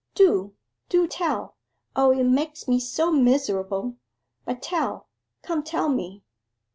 'Do, do tell O, it makes me so miserable! but tell come tell me!